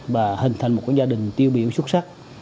và hình thành một gia đình tiêu biểu xuất sắc